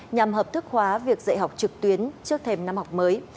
nhằm hợp thức hóa việc dạy học trực tuyến trước thềm năm học mới